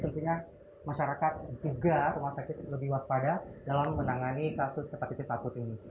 tentunya masyarakat juga rumah sakit lebih waspada dalam menangani kasus hepatitis akut ini